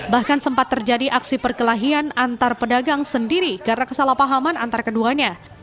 bahkan sempat terjadi aksi perkelahian antar pedagang sendiri karena kesalahpahaman antar keduanya